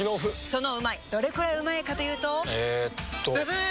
そのうまいどれくらいうまいかというとえっとブブー！